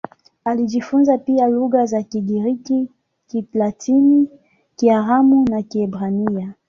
Alijifunza pia lugha za Kigiriki, Kilatini, Kiaramu na Kiebrania.